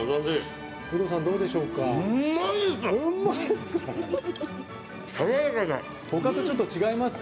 ウドさん、どうでしょうか。